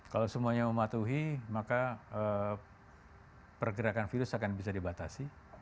kalau semuanya mematuhi maka pergerakan virus akan bisa dibatasi